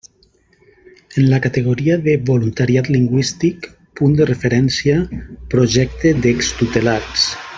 En la categoria de voluntariat lingüístic, Punt de Referència – Projecte d'extutelats.